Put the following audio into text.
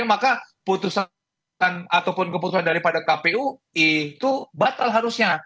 maka keputusan daripada kpu itu batal harusnya